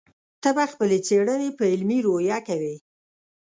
ته به خپلې څېړنې په علمي روحیه کوې.